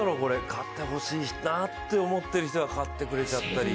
勝ってほしいなと思っていた人が勝ってくれちゃったり。